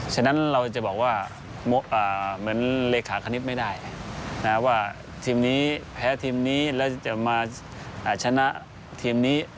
ฉะนั้นเราจะบอกว่าเหมือนเลขาคณิตไม่ได้ว่าทีมนี้แพ้ทีมนี้แล้วจะมาชนะทีมนี้